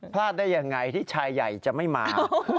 ได้ยังไงที่ชายใหญ่จะไม่มา